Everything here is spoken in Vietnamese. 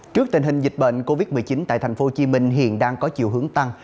trước tình hình dịch bệnh covid một mươi chín tại tp hcm hiện đang có chiều hướng tăng